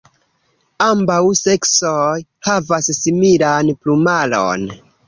Ambaŭ seksoj havas similan plumaron.